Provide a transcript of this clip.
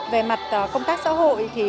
về mặt công tác xã hội